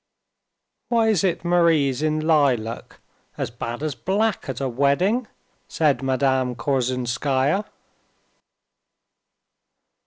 "Why is it Marie's in lilac, as bad as black, at a wedding?" said Madame Korsunskaya.